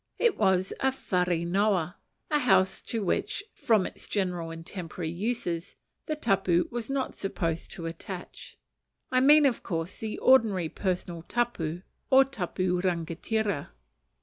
It was a whare noa, a house to which, from its general and temporary uses, the tapu was not supposed to attach: I mean, of course, the ordinary personal tapu or tapu rangatira.